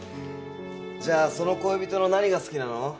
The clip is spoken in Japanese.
じゃあその恋人の何が好きなの？